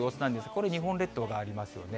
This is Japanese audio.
これ、日本列島がありますよね。